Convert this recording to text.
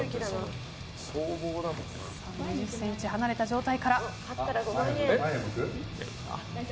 ２０ｃｍ離れた状態から。